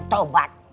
kata dulu murtabat